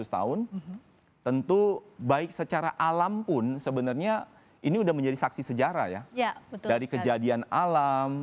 lima ratus tahun tentu baik secara alam pun sebenarnya ini udah menjadi saksi sejarah ya dari kejadian alam